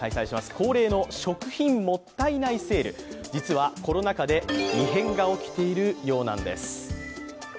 恒例の食品もったいないセール、実はコロナ禍で異変が起きているようなんです。